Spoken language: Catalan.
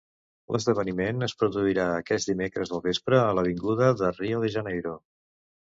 L'esdeveniment es produirà aquest dimecres al vespre a l'avinguda de Rio de Janeiro.